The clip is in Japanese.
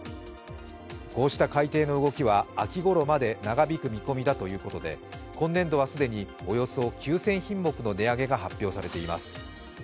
こうした改定の動きは秋ごろまで長引く予定だということで今年度は既におよそ９０００品目の値上げが発表されています。